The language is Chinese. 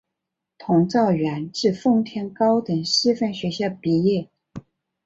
佟兆元自奉天高等师范学校毕业。